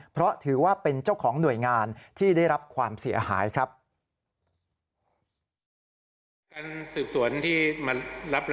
เพราะถือว่าเป็นเจ้าของหน่วยงานที่ได้รับความเสียหายครับ